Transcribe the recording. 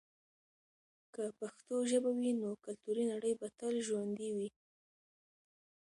که پښتو ژبه وي، نو کلتوري نړی به تل ژوندي وي.